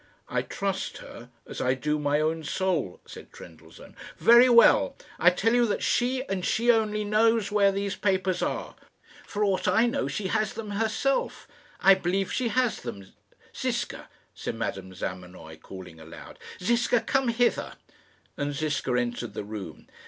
"I trust her as I do my own soul," said Trendellsohn. "Very well; I tell you that she, and she only, knows where these papers are. For aught I know, she has them herself. I believe that she has them. Ziska," said Madame Zamenoy, calling aloud "Ziska, come hither;" and Ziska entered the room.